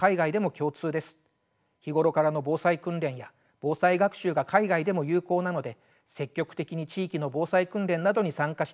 日頃からの防災訓練や防災学習が海外でも有効なので積極的に地域の防災訓練などに参加していただければと思います。